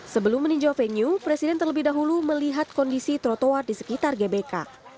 sebelum meninjau venue presiden terlebih dahulu melihat kondisi trotoar di sekitar gbk